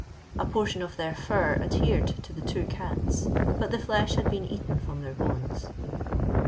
A portion of their fur adhered to the two cats, but the flesh had been eaten from their bones.